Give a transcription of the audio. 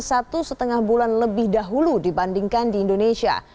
satu setengah bulan lebih dahulu dibandingkan di indonesia